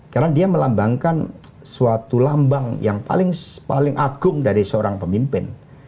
karena dia melambangkan suatu lambang yang paling agung dari seorang pemimpin